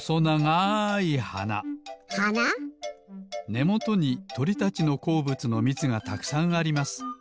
ねもとにとりたちのこうぶつのみつがたくさんあります。